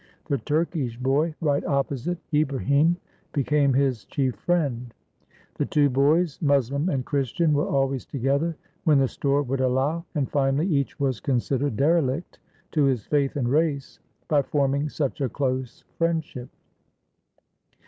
The Turkish boy, right opposite, Ibrahim, became his chief friend. The two boys, Moslem and Christian, were always together when the store would allow, and finally, each was considered derelict to his faith and race by forming such a close friendship.